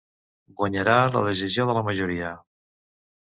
Guanyarà la decisió de la majoria.